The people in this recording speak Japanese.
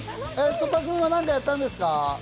曽田君は何かやったんですか？